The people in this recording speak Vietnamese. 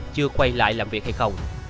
chưa quay lại làm việc hay không